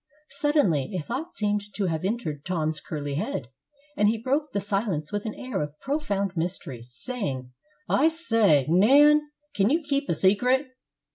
Suddenly a thought seemed to have entered Tom's curly head, and he broke the silence with an air of profound mystery, saying: "I say, Nan, can you keep a secret?